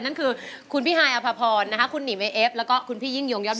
นั่นคือคุณพี่ฮายอภพรนะคะคุณหนีเวเอฟแล้วก็คุณพี่ยิ่งยงยอด